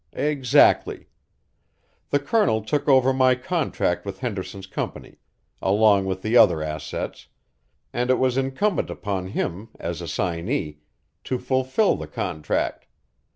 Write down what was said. "Exactly. The Colonel took over my contract with Henderson's company, along with the other assets, and it was incumbent upon him, as assignee, to fulfill the contract.